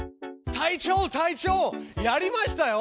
隊長隊長やりましたよ。